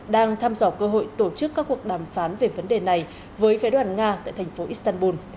đang tham dọc cơ hội tổ chức các cuộc đàm phán về vấn đề này với vệ đoàn nga tại thành phố istanbul